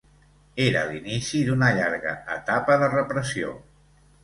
Era l'inici d'una llarga etapa de repressió.